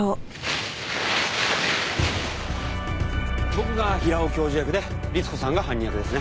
僕が平尾教授役でりつ子さんが犯人役ですね。